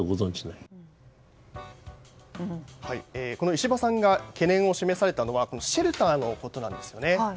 石破さんが懸念を示されたのはシェルターのことなんです。